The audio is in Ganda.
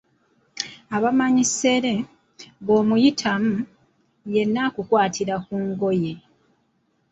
Abamanyi ssere, bw’omuyitamu, yenna akukwatira ku ngoye.